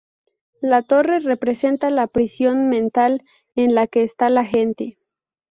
La torre representa la prisión mental en la que está la gente.